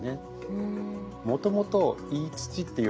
うん。